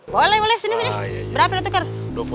boleh boleh sini sini berapa lo tuker